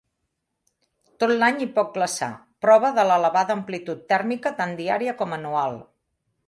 Tot l'any hi pot glaçar, prova de l'elevada amplitud tèrmica tant diària com anual.